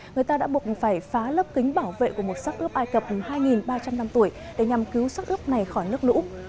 người ta đã buộc phải phá lớp kính bảo vệ của một sắc ướp ai cập hai ba trăm linh năm tuổi để nhằm cứu sắc ướp này khỏi nước lũ